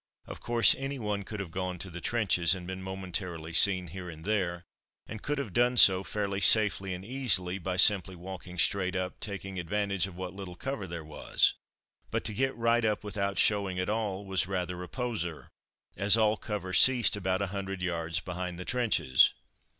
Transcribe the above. Of course any one could have gone to the trenches, and been momentarily seen here and there, and could have done so fairly safely and easily by simply walking straight up, taking advantage of what little cover there was; but to get right up without showing at all, was rather a poser, as all cover ceased about a hundred yards behind the trenches.